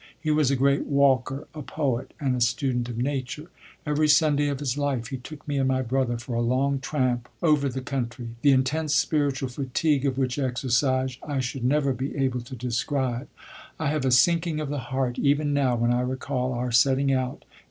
He was a great walker, a poet, and a student of nature. Every Sunday of his life he took me and my brother for a long tramp over the country, the intense spiritual fatigue of which exercise I should never be able to describe. I have a sinking of the heart, even now, when I recall our setting out.